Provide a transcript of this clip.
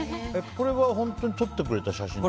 これは本当に撮ってくれた写真？